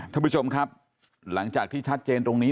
ท่านผู้ชมครับหลังจากที่ชัดเจนตรงนี้